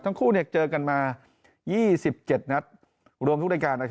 ทั้งคู่เนี่ยเจอกันมา๒๗นัดรวมทุกรายการนะครับ